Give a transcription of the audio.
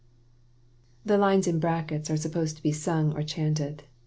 The lines in brackets are supposed to be sung or chanted.